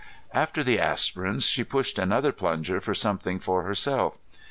After the aspirins, she pushed another plunger for something for herself.